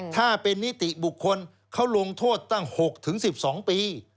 ถ้าเป็นนิติบุคคลเขาลงโทษตั้ง๖๑๒ปี